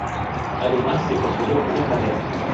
Además, se construyó una panera.